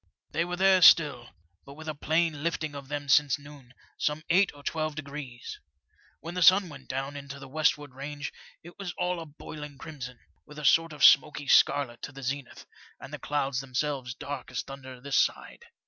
They were there still, but with a plain lifting of them since noon, some eight or twelve degrees. When the sun went down into the westward range it was all a boiling crimson, with a sort of smoky scarlet to the zenith, and the clouds themselves dark as thunder this side.